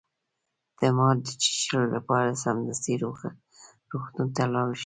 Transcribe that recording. د مار د چیچلو لپاره سمدستي روغتون ته لاړ شئ